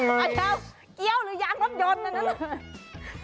อาจจะเกี้ยวหรือยางรถยนต์นั้น